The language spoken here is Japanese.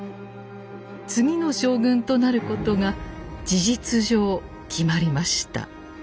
次の将軍となることが事実上決まりました。